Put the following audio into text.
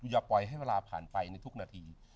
อย่าปล่อยให้เวลาผ่านไปในทุกนาที